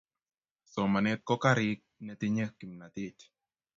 Somanet ko karik netinye kimnatet